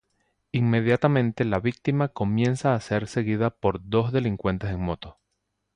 Inmediatamente la víctima comienza a ser seguida por dos delincuentes en moto.